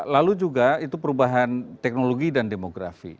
lalu juga itu perubahan teknologi dan demografi